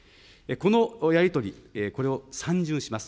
このやり取り、これを３巡します。